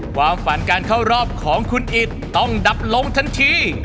ความฝันการเข้ารอบของคุณอิตต้องดับลงทันที